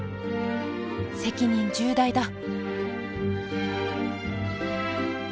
責任重大だ！